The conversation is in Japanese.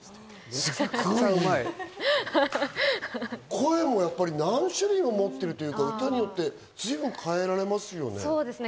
声もやっぱり何種類も持ってるというか、歌によってずいぶん変えられますよね。